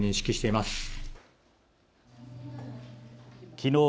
きのう